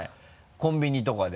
コンビニとかで。